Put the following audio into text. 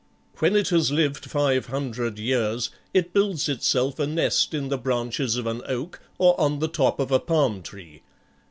When it has lived five hundred years, it builds itself a nest in the branches of an oak, or on the top of a palm tree.